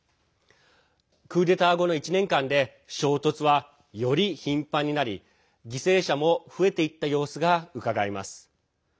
クーデター後の１年間で衝突は、より頻繁になり犠牲者も増えていった様子がうかがえます。